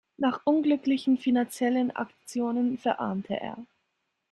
Nach unglücklichen finanziellen Aktionen verarmte er.